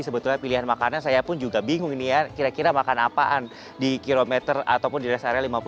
sebetulnya pilihan makanan saya pun juga bingung ini ya kira kira makan apaan di kilometer ataupun di rest area lima puluh